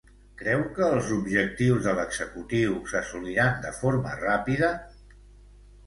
Creu que els objectius de l'executiu s'assoliran de forma ràpida?